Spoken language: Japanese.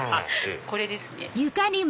これですね。